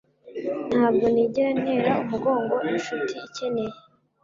Ntabwo nigera ntera umugongo inshuti ikeneye.